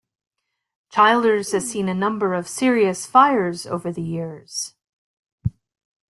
Childers has seen a number of serious fires over the years.